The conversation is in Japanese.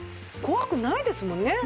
怖くないですもんね。